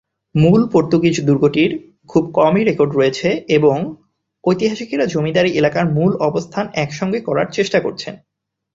মূল পর্তুগিজ দুর্গটির খুব কমই রেকর্ড রয়েছে এবং ঐতিহাসিকেরা জমিদারী এলাকার মূল অবস্থান একসঙ্গে করার চেষ্টা করছেন।